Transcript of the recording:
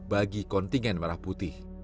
bagi kontingen merah putih